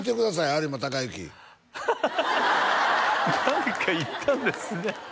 有馬孝之何か行ったんですね